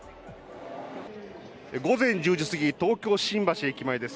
午前１０時過ぎ、東京・新橋駅前です。